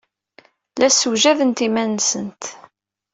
La ssewjadent iman-nsent.